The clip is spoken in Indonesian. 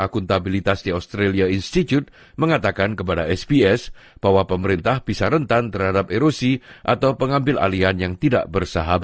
kita bisa memiliki pemerintah yang melindungi orang orang mereka